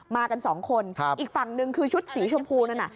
กันสองคนอีกฝั่งหนึ่งคือชุดสีชมพูนั่นน่ะ